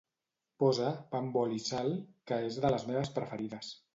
Posa "Pa amb oli i sal", que és de les meves preferides.